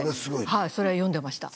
はいそれは読んでました。